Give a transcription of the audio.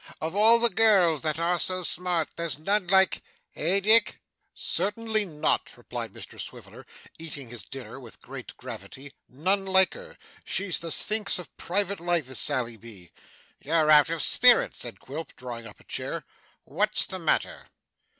"Of all the girls that are so smart, there's none like " eh, Dick!' 'Certainly not,' replied Mr Swiveller, eating his dinner with great gravity, 'none like her. She's the sphynx of private life, is Sally B.' 'You're out of spirits,' said Quilp, drawing up a chair. 'What's the matter?